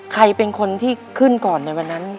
ใครเป็นคนที่ขึ้นก่อนในวันนั้น